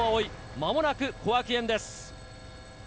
間もなく小涌園です。